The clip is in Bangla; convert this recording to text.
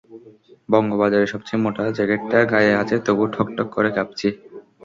বঙ্গ বাজারের সবচেয়ে মোটা জ্যাকেটটা গায়ে আছে তবু ঠকঠক করে কাঁপছি।